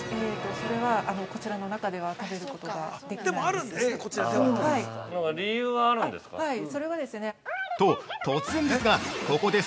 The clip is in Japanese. ◆それは、こちらの中では食べることができないんです。